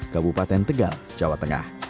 kabupaten tegal jawa tengah